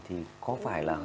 thì có phải là